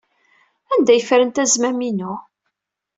Anda ay ffrent azmam-inu?